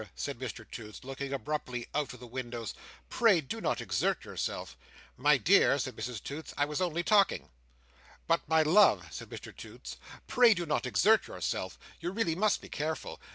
said Mr Toots, looking abruptly out of the windows "pray do not exert yourself!" "My dear," said Mrs Toots, "I was only talking." "But, my love," said Mr Toots, "pray do not exert yourself. You really must be careful.